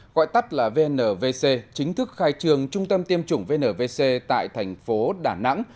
gọi tắt là vnvc chính thức khai trường trung tâm tiêm chủng vnvc tại thành phố đà nẵng